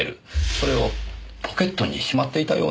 それをポケットにしまっていたようなんです。